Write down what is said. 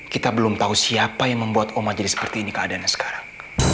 kita belum tahu siapa yang membuat oma jadi seperti ini keadaannya sekarang